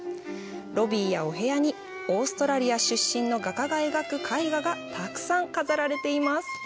ロビーやお部屋にオーストラリア出身の画家が描く絵画がたくさん飾られています。